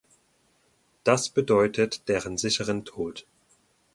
Das bedeutet deren sicheren Tod!